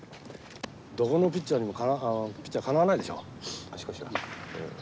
どこのピッチャーにもかなわないでしょう。